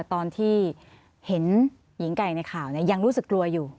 ตอนที่เห็นหญิงไก่ในข่าวยังรู้สึกกลัวอยู่